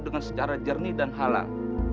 dengan secara jernih dan halal